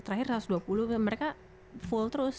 terakhir satu ratus dua puluh mereka full terus